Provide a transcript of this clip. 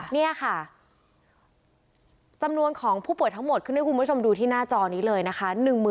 นี่ค่ะจำนวนของผู้ป่วยทั้งหมดขึ้นให้คุณผู้ชมดูที่หน้าจอนี้เลยนะคะ